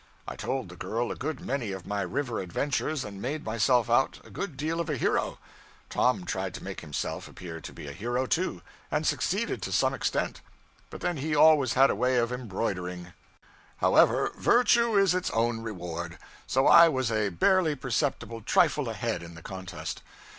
I told the girl a good many of my river adventures, and made myself out a good deal of a hero; Tom tried to make himself appear to be a hero, too, and succeeded to some extent, but then he always had a way of embroidering. However, virtue is its own reward, so I was a barely perceptible trifle ahead in the contest.